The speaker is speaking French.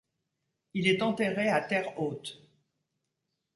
Il est enterré à Terre Haute.